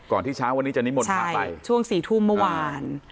ก่อนที่เช้าวันนี้จะนิ่มหมดหาไปใช่ช่วงสี่ทุ่มเมื่อวาน